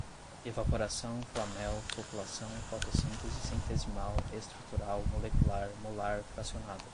evaporação, flamel, floculação, fotossíntese, centesimal, estrutural, molecular, molar, fracionada